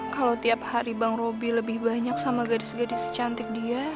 kalau tiap hari bang roby lebih banyak sama gadis gadis cantik dia